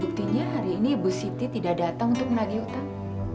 buktinya hari ini ibu siti tidak datang untuk menagih utang